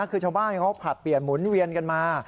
คือชาวบ้านเขาผลัดเปลี่ยนหมุนเวียนกันมา